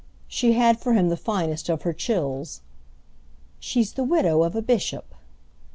she had for him the finest of her chills: "She's the widow of a bishop."